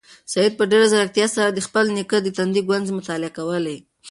سعید په ډېرې ځیرکتیا سره د خپل نیکه د تندي ګونځې مطالعه کولې.